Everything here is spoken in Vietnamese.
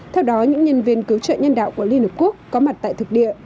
theo đó những nhân viên cứu trợ nhân đạo của liên hợp quốc có mặt tại thực địa